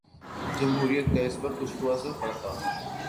جمہوریت کا اس پہ کچھ تو اثر پڑتا۔